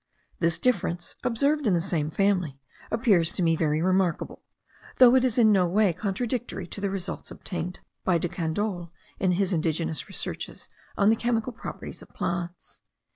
This difference, observed in the same family, appears to me very remarkable, though it is in no way contradictory to the results obtained by De Candolle in his ingenious researches on the chemical properties of plants.